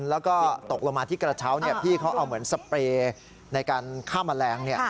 แล้วก็ตกลงมาที่กระเช้าพี่เขาเอาเหมือนสเปรย์ในการฆ่าแมลง